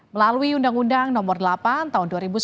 melalui undang undang nomor delapan tahun dua ribu sembilan